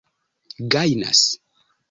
gajnas